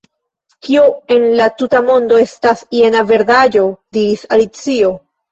"Kio en la tuta mondo estas jena verdaĵo?" diris Alicio, "